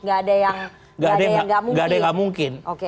gak ada yang gak mungkin